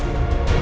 ya enggak apa apa